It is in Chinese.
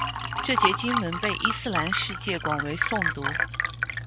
这节经文被伊斯兰世界广为诵读。